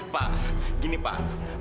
pak gini pak